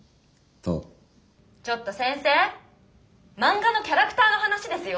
ちょっと先生ェマンガのキャラクターの話ですよ。